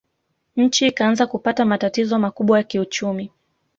Nchi ikaanza kupata matatizo makubwa ya kiuchumi